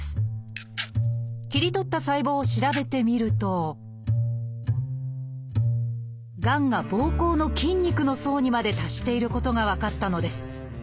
切り取った細胞を調べてみるとがんが膀胱の筋肉の層にまで達していることが分かったのです。